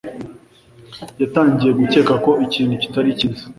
yatangiye gukeka ko ikintu kitari cyiza.